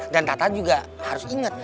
dan tata juga harus inget